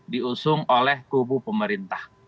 diusung oleh kubu pemerintah